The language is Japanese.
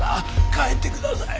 帰ってください。